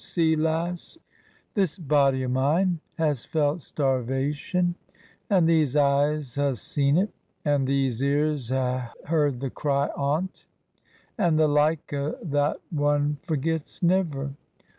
See, lass ! This body o' mine has felt starvation, and these eyes ha* seen it, and these ears ha' heard the cry on't. And the like o' that one forgets niver.